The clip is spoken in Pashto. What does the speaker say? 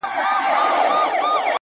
و ذهن ته دي بيا د بنگړو شرنگ در اچوم،